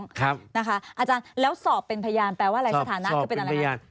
สั่งไม่ฟ้องนะคะอาจารย์แล้วสอบเป็นพยานแปลว่าอะไรสถานะคือเป็นอะไรครับ